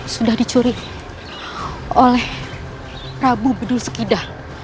sudah dicuri oleh prabu bedul sakida